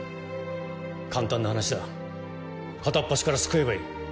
簡単な話だ片っ端から救えばいい。